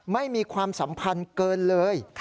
ไม่มีความสัมพันธ์เกินเลย